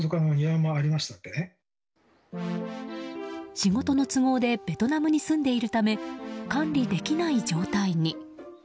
仕事の都合でベトナムに住んでいるため管理できない状態に。